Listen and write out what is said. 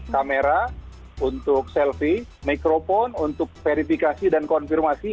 kamera untuk selfie mikrofon untuk verifikasi dan konfirmasi